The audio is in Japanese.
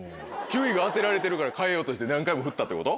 ９位が当てられてるから変えようとして何回も振ったってこと？